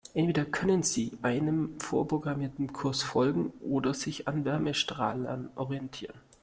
Entweder können sie einem vorprogrammierten Kurs folgen oder sich an Wärmestrahlern orientieren.